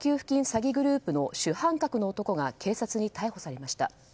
詐欺グループの主犯格の男が警察に逮捕されました。